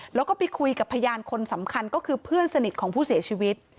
แล้วก็ไปคุยกับพยานคนสำคัญก็คือเพื่อนสนิทของผู้เสียชีวิต